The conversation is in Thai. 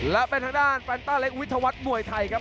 และเป็นทางด้านแฟนต้าเล็กวิทยาวัฒน์มวยไทยครับ